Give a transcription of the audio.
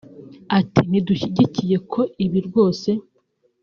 Ati “Ntidushyigikiye ko ibi rwose